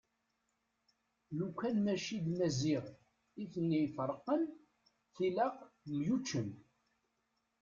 Lukan mačči d Maziɣ iten-iferqen tilaq myuččen.